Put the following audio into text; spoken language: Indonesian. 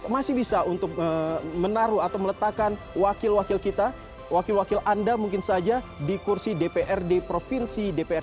masih bisa untuk menaruh atau meletakkan wakil wakil kita wakil wakil anda mungkin saja di kursi dprd provinsi dpr